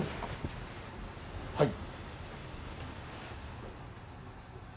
はい。